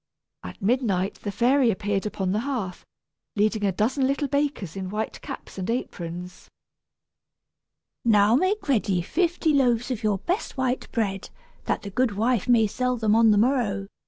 At midnight the fairy appeared upon the hearth, leading a dozen little bakers in white caps and aprons. "Now make ready fifty loaves of your best white bread, that the goodwife may sell them on the morrow!"